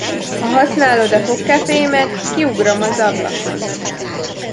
Ha használod a fogkefémet, kiugrom az ablakon.